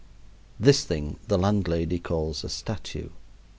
This thing the landlady calls a statue.